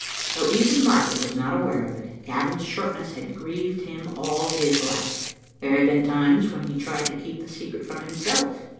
" Though even Margaret was not aware of it, Gavin's shortness had grieved him all his life. There had been times when he tried to keep the secret from himself.